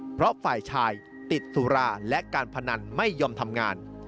เพราะฝ่ายชายติดสุราและการพนันไม่ยอมทำงาน